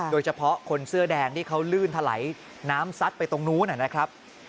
โดยเฉพาะคนเสื้อแดงที่เขาลื่นถลายน้ำซัดไปตรงนู้นนะครับ